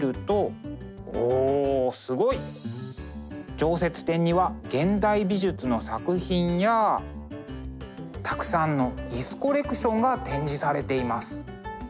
常設展には現代美術の作品やたくさんの椅子コレクションが展示されています。